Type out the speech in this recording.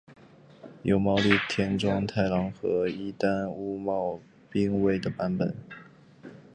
有毛利田庄太郎和伊丹屋茂兵卫的版本。